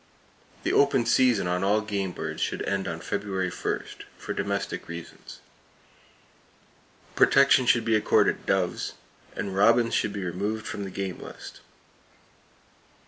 The open season on all game birds should end on February 1, for domestic reasons. Protection should be accorded doves, and robins should be removed from the game list.